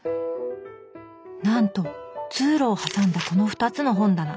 なんと通路を挟んだこの２つの本棚。